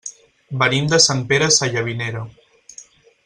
Venim de Sant Pere Sallavinera.